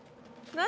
何？